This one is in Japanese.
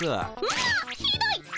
んまっひどい！